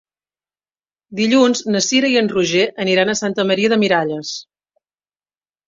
Dilluns na Cira i en Roger aniran a Santa Maria de Miralles.